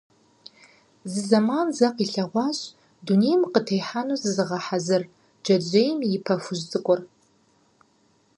Зы зэман зэ къилъэгъуащ дунейм къытехьэну зызыгъэхьэзыр джэджьейм и пэ гъуэжь цӀыкӀур.